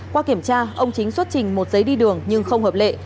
qua kiểm tra ông chính xuất trình một giấy đi đường nhưng không hợp lệ